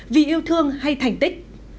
vì yêu thương hay thành tích